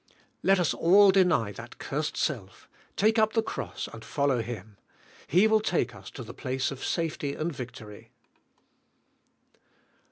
Let us all deny that cursed self; take up the cross and follow Him. He will take us to the place of safety and victory.